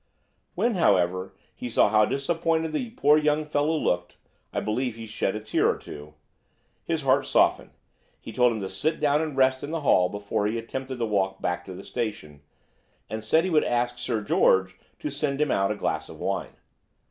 When, however, he saw how disappointed the poor young fellow looked–I believe he shed a tear or two–his heart softened; he told him to sit down and rest in the hall before he attempted the walk back to the station, and said he would ask Sir George to send him out a glass of wine.